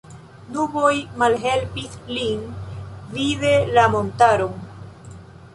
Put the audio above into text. Nuboj malhelpis lin vidi la montaron.